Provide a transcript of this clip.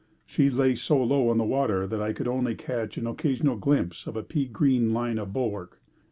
She lay so low in the water that I could only catch an occasional glimpse of a pea green line of bulwark.